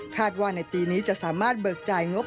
ว่าในปีนี้จะสามารถเบิกจ่ายงบ